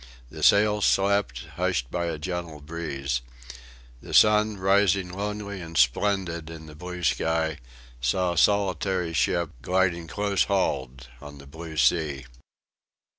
The sails slept, hushed by a gentle breeze. The sun, rising lonely and splendid in the blue sky, saw a solitary ship gliding close hauled on the blue sea.